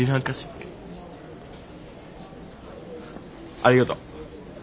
ありがとう。